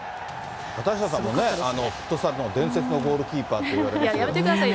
畑下さんもね、フットサルの伝説のゴールキーパーといわれたやめてくださいよ。